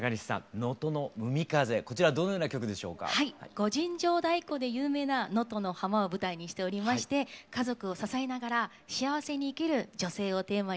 御陣乗太鼓で有名な能登の浜を舞台にしておりまして家族を支えながら幸せに生きる女性をテーマにした曲になっております。